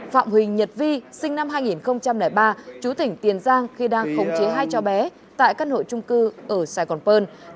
phạm huỳnh nhật vi sinh năm hai nghìn ba trú tỉnh tiền giang khi đang khống chế hai trò bé tại căn hội trung cư ở saigon pearl